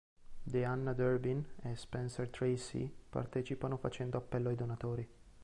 Deanna Durbin e Spencer Tracy partecipano facendo appello ai donatori.